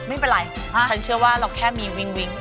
ไม่เป็นไรฉันเชื่อว่าเราแค่มีวิ้งวิ้ง